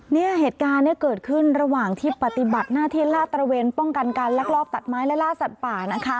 เนี่ยเหตุการณ์เนี่ยเกิดขึ้นระหว่างที่ปฏิบัติหน้าที่ลาดตระเวนป้องกันการลักลอบตัดไม้และล่าสัตว์ป่านะคะ